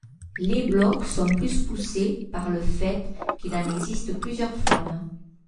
Les blocs sont plus poussés par le fait qu'il en existe plusieurs formes.